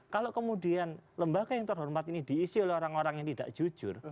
kalau kemudian lembaga yang terhormat ini diisi oleh orang orang yang tidak jujur